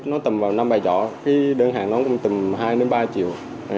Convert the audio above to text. nó tầm vào năm bài giỏ cái đơn hàng nó cũng tầm hai đến ba triệu